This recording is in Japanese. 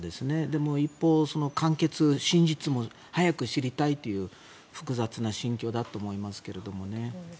でも一方真実も早く知りたいという複雑な心境だと思いますけどね。